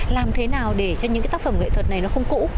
làm thế nào để cho những cái tác phẩm nghệ thuật này nó không cũ